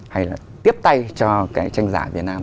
hay là tiếp tay cho cái tranh giả việt nam